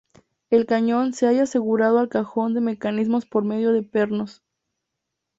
El cañón se halla asegurado al cajón de mecanismos por medio de pernos.